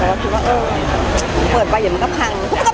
อ๋อก็ไม่ได้สนับใจอะไร